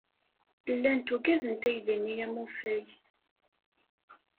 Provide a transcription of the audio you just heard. Llant ugadent aydi-nni amufay.